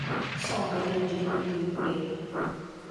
São Benedito do Rio Preto